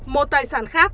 một tài sản khác